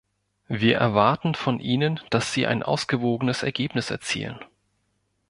Wir erwarten von Ihnen, dass Sie ein ausgewogenes Ergebnis erzielen.